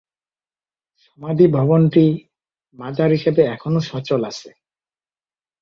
সমাধি ভবনটি মাজার হিসেবে এখনো সচল আছে।